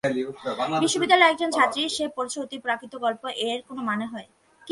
বিশ্ববিদ্যালয়ের একজন ছাত্রী, সে পড়ছে অতিপ্রাকৃত গল্প, এর কোনো মানে হয়?